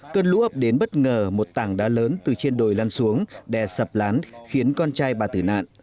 cơn lũ ập đến bất ngờ một tảng đá lớn từ trên đồi lăn xuống đè sập lán khiến con trai bà tử nạn